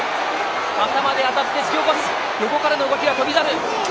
頭で当たって突き落とす、横からの動きは翔猿。